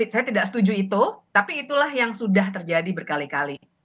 saya tidak setuju itu tapi itulah yang sudah terjadi berkali kali